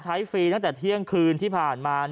ฟรีตั้งแต่เที่ยงคืนที่ผ่านมา